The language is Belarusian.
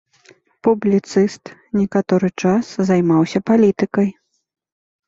Публіцыст, некаторы час займаўся палітыкай.